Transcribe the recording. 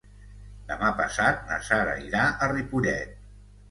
Demà passat na Sara irà a Ripollet.